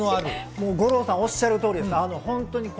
五郎さん、おっしゃる通りです。